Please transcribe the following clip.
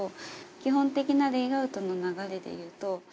基本的なレイアウトの流れでいうと。